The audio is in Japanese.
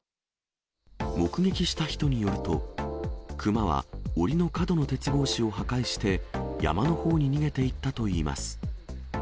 目撃した人によると、クマはおりの角の鉄格子を破壊して、山のほうに逃げていったといいます。